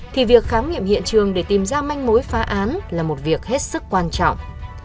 thì việc khám nghiệm hiện trường để tìm ra manh mối phá án là một việc hết sức quan trọng